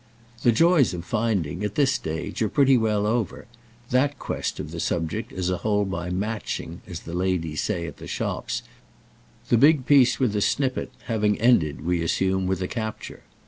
The joys of finding, at this stage, are pretty well over; that quest of the subject as a whole by "matching," as the ladies say at the shops, the big piece with the snippet, having ended, we assume, with a capture.